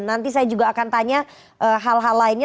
nanti saya juga akan tanya hal hal lainnya